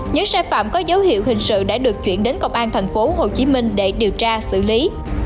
những sai phạm có dấu hiệu hình sự đã được chuyển đến công an tp hcm để điều tra xử lý